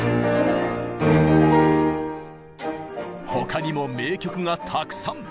他にも名曲がたくさん！